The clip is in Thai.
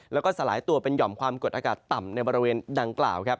แล้วก็สลายตัวเป็นหย่อมความกดอากาศต่ำในบริเวณดังกล่าวครับ